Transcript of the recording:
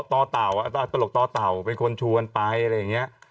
ต่อต่าวเป็นหลอกต่อต่าวเป็นคนชวนไปอะไรอย่างนี้